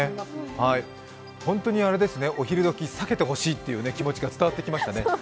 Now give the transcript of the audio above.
本当にお昼時避けてほしいという気持ちが伝わってきましたね。